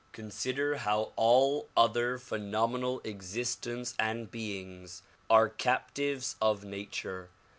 Consider how all other phenomenal existence and beings are captives of nature.